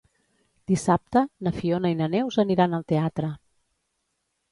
Dissabte na Fiona i na Neus aniran al teatre.